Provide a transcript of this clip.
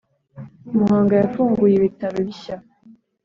Muhanga yafunguye ibitaro bishya